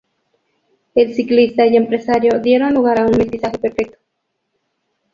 El ciclista y empresario dieron lugar a un mestizaje perfecto.